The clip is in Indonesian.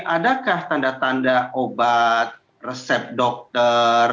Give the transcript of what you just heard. adakah tanda tanda obat resep dokter